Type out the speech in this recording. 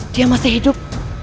dia masih hidup